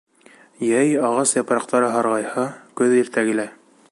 Йәй ағас япраҡтары һарғайһа, көҙ иртә килә.